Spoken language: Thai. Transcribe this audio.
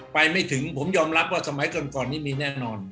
ไม่ถึงผมยอมรับว่าสมัยก่อนนี้มีแน่นอน